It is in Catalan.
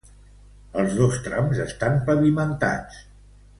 Els dos trams estan pavimentats.